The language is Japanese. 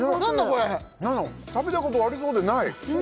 これ食べたことありそうでない！